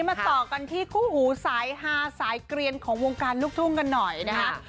มาต่อกันที่คู่หูสายฮาสายเกลียนของวงการลูกทุ่งกันหน่อยนะฮะ